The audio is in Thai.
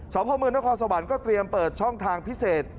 พ่อเมืองนครสวรรค์ก็เตรียมเปิดช่องทางพิเศษ